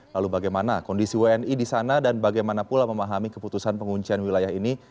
lalu bagaimana kondisi wni di sana dan bagaimana pula memahami keputusan penguncian wilayah ini